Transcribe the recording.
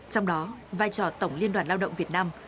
trong đó vai trò tổng liên đoàn lao động việt nam